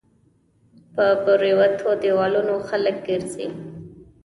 په پريوتو ديوالونو خلک ګرځى